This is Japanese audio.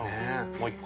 もう一個。